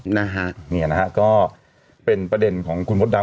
นี่นะครับก็เป็นประเด็นของคุณมดดำ